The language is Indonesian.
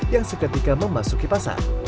yang seketika memasuki pasar